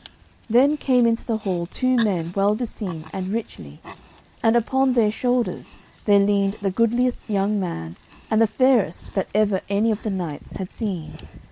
Then came into the hall two men well beseen and richly, and upon their shoulders there leaned the goodliest young man and the fairest that ever any of the knights had seen.